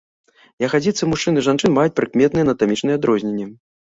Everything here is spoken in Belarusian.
Ягадзіцы мужчын і жанчын маюць прыкметныя анатамічныя адрозненні.